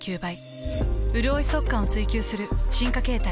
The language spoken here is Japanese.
うるおい速乾を追求する進化形態。